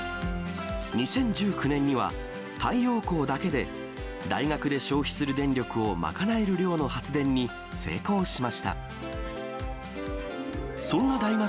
２０１９年には太陽光だけで、大学で消費する電力を賄える量の発電に成功しました。